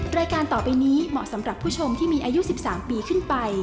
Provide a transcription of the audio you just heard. รายการต่อไปนี้เหมาะสำหรับผู้ชมที่มีอายุ๑๓ปีขึ้นไป